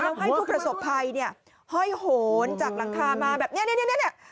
แล้วให้ทุกประสบภัยเนี้ยห้อยโหนจากหลังคามาแบบเนี้ยเนี้ยเนี้ยเนี้ย